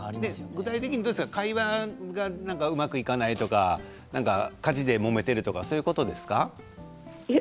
具体的に会話がうまくいかないとか、家事でもめているとかそういうことですか？